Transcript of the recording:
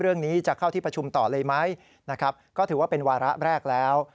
เรื่องนี้จะเข้าที่ประชุมต่อเลยไหมนะครับก็ถือว่าเป็นวาระแรกแล้ว